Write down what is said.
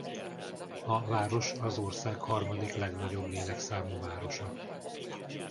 A város az ország harmadik legnagyobb lélekszámú városa.